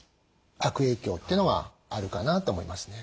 悪影響というのがあるかなと思いますね。